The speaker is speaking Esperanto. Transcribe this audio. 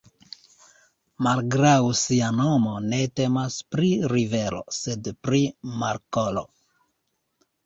Malgraŭ sia nomo ne temas pri rivero, sed pri markolo.